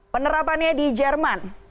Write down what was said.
penerapan di jerman